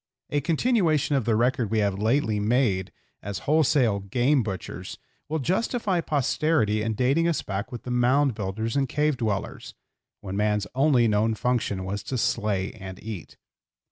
A continuation of the record we have lately made as wholesale game butchers will justify posterity in dating us back with the mound builders and cave dwellers, when man's only known function was to slay and eat.